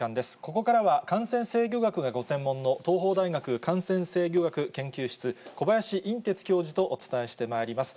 ここからは、感染制御学がご専門の東邦大学感染制御学研究室、小林寅てつ教授とお伝えしてまいります。